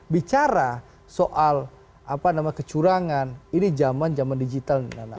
bicara soal kecurangan ini zaman zaman digital nana